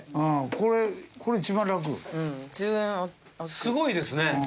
すごいですね。